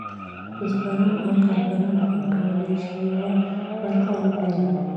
بزګران او کارګران هم کولی شي یوه برخه وپېري